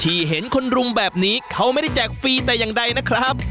เห็นคนรุมแบบนี้เขาไม่ได้แจกฟรีแต่อย่างใดนะครับ